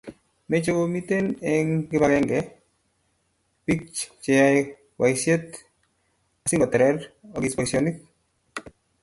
Meche komiten eng kibagenge biiko cheyoe boisiet asigoterter ogis boisionik